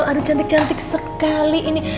aduh cantik cantik sekali ini